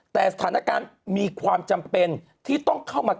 แต่สถานการณ์มีความจำเป็นที่ต้องเข้ามา